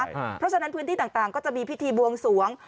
เพราะฉะนั้นพื้นที่ต่างก็จะมีพิธีบวงสวง